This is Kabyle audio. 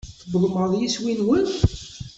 Tewwḍem ɣer yiswi-nwen?